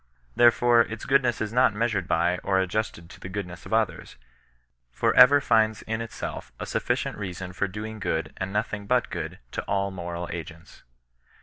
Therefore its goodness is not measured by or ad justed to the goodness of others, but ever finds in itself a 8ufi[icient reason for doing good and nothing but good to all moral agents.